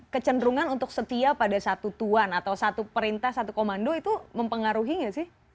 kecenderungan untuk setia pada satu tuan atau satu perintah satu komando itu mempengaruhi nggak sih